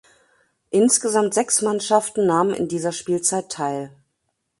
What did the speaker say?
Insgesamt sechs Mannschaften nahmen in dieser Spielzeit teil.